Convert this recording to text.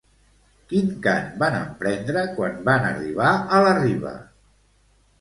Quin cant van emprendre quan van arribar a la riba?